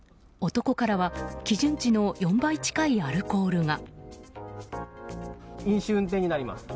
男からは基準値の４倍近いアルコールが。